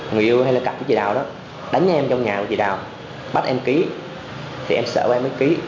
người yêu hay là cặp cái chị đào đó đánh anh em trong nhà của chị đào bắt em ký thì em sợ em mới ký